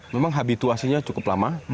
memang habituasinya cukup lama